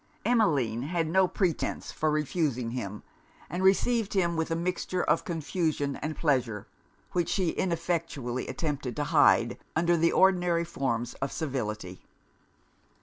Emmeline had no pretence for refusing him, and received him with a mixture of confusion and pleasure, which she ineffectually attempted to hide under the ordinary forms of civility.